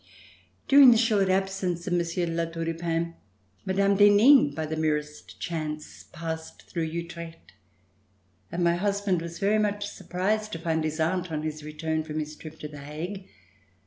During the short absence of Monsieur de La Tour du Pin, Mme. d'Henin, by the merest chance, passed through Utrecht, and my husband was very much surprised to find his aunt on his return from his trip to The Hague.